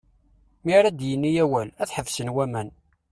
Mi ara d-yini awal, ad ḥebsen waman.